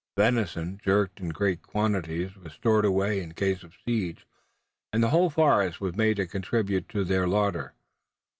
Venison jerked in great quantities was stored away in case of siege, and the whole forest was made to contribute to their larder.